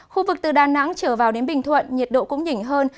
khu vực từ đà nẵng trở vào đến bình thuận nhiệt độ cũng nhỉnh hơn